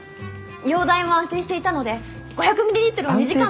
容体も安定していたので５００ミリリットルを２時間で。